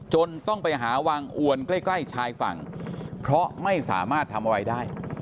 จนต้องไปหาวางอ้วนใกล้ชายฝั่งเพราะไม่สามารถทำเอาไว้ได้